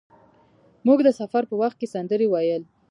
موږ د سفر په وخت کې سندرې ویل.